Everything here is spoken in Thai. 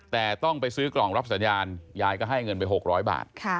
แต่ต้องไปซื้อกล่องรับสัญญาณยายก็ให้เงินไป๖๐๐บาท